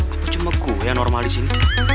apa cuma kuh yang normal di sini